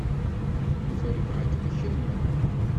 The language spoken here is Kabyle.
Yuba yebɣa-kem kemm.